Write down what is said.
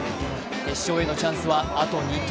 決勝へのチャンスは、あと２投。